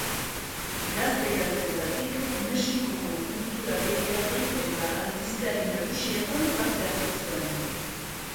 Gazte-gaztetatik Mexikoko kultura gehigarri eta aldizkari nagusietan parte hartu zuen.